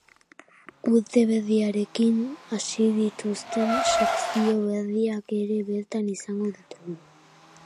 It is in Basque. Urte berriarekin hasi dituzten sekzio berriak ere bertan izango ditugu.